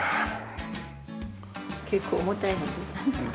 結構重たいので。